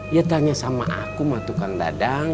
ya tanya sama akum atukang dadang